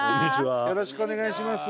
よろしくお願いします。